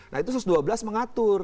nah itu satu ratus dua belas mengatur